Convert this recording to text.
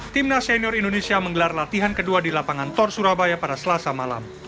timnas senior indonesia menggelar latihan kedua di lapangan tor surabaya pada selasa malam